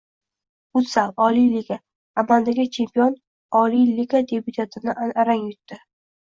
Futzal. Oliy liga. Amaldagi chempion oliy liga debyutantini arang yutding